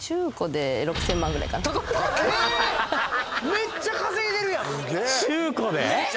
めっちゃ稼いでるやん中古で？